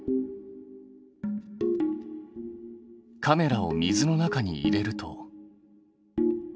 カメラを水の中に入れると。